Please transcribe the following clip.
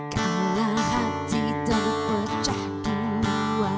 kala hati terpecah dua